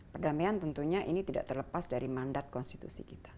perdamaian tentunya ini tidak terlepas dari mandat konstitusi kita